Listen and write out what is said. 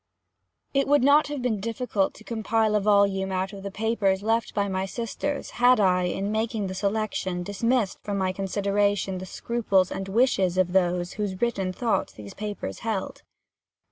It would not have been difficult to compile a volume out of the papers left by my sisters, had I, in making the selection, dismissed from my consideration the scruples and the wishes of those whose written thoughts these papers held.